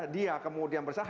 dia kemudian bersalah